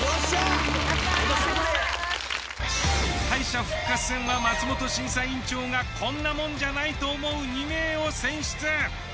敗者復活戦は松本審査委員長がこんなもんじゃないと思う２名を選出。